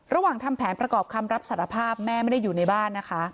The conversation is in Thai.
ทำแผนประกอบคำรับสารภาพแม่ไม่ได้อยู่ในบ้านนะคะ